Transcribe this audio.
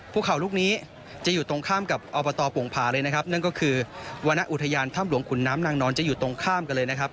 ภูเขาลูกนี้จะอยู่ตรงข้ามกับอบตโป่งผาเลยนะครับนั่นก็คือวรรณอุทยานถ้ำหลวงขุนน้ำนางนอนจะอยู่ตรงข้ามกันเลยนะครับ